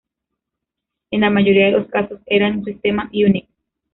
En la mayoría de los casos era en un sistema Unix.